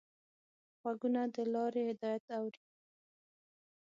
غوږونه د لارې هدایت اوري